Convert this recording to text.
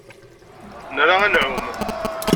Nra ad nɛum.